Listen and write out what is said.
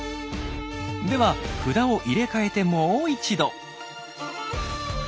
では札を入れ替えてもう一度。